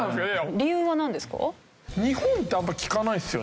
理由はなんですか？